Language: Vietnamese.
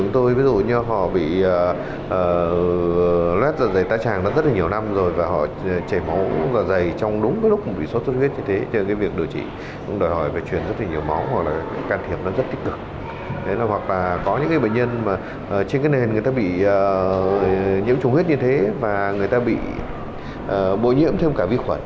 trên cái nền người ta bị nhiễm trùng huyết như thế và người ta bị bội nhiễm thêm cả vi khuẩn